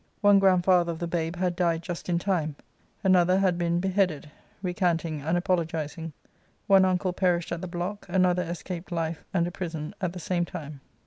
One grand father of the babe had died just in time, another had been beheaded — recanting and apologising ; one uncle perished at the block, another escaped life and a prison at the same time.